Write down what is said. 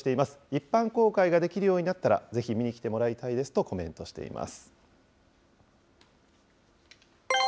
一般公開ができるようになったらぜひ見に来てもらいたいですとコメントしています。